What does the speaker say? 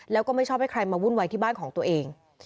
แล้วก็ไม่ชอบให้ใครมาวุ่นวายที่บ้านของตัวเอง